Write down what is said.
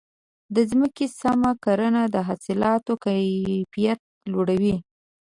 د ځمکې سم کرنه د حاصلاتو کیفیت لوړوي.